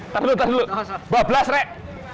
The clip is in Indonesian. tertuluh tertuluh mablas rek